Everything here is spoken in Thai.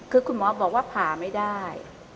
คือคุณหมอบอกว่าผ่าไม่ได้